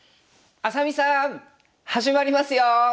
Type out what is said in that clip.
愛咲美さん始まりますよ！